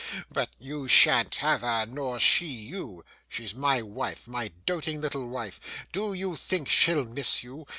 But you shan't have her, nor she you. She's my wife, my doting little wife. Do you think she'll miss you?